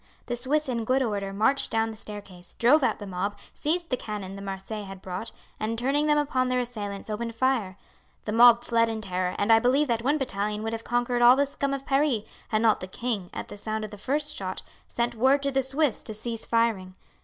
The Swiss in good order marched down the staircase, drove out the mob, seized the cannon the Marseillais had brought, and turning them upon their assailants opened fire. The mob fled in terror, and I believe that one battalion would have conquered all the scum of Paris, had not the king, at the sound of the first shot, sent word to the Swiss to cease firing.